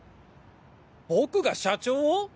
僕が社長を？